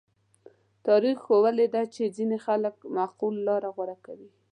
تاریخ ښوولې ده چې ځینې خلک معقوله لاره غوره کوي.